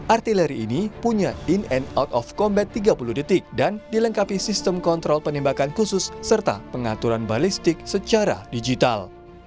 artileri ini punya in and out of combat tiga puluh detik dan dilengkapi sistem kontrol penembakan khusus serta pengaturan balistik secara digital